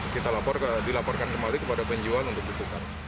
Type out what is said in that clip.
kita dilaporkan kembali kepada penjualan untuk ditukar